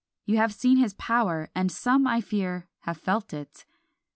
You have seen his power, and some, I fear, have felt it.